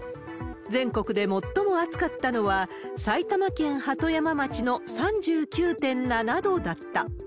全国で最も暑かったのは、埼玉県鳩山町の３９．７度だった。